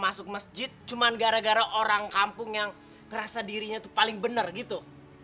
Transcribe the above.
masuk masjid cuma gara gara orang kampung yang ngerasa dirinya itu paling benar gitu